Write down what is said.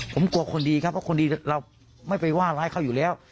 ผมกลัวคนดีครับเพราะคนดีเราไม่ไปว่าร้ายเขาอยู่แล้ว